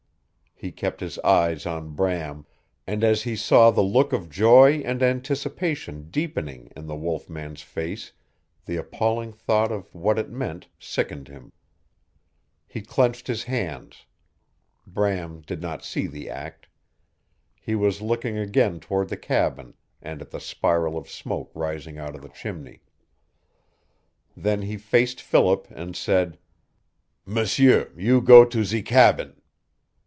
He kept his eyes on Bram, and as he saw the look of joy and anticipation deepening in the wolf man's face the appalling thought of what it meant sickened him. He clenched his hands. Bram did not see the act. He was looking again toward the cabin and at the spiral of smoke rising out of the chimney. Then he faced Philip, and said, "M'sieu, you go to ze cabin."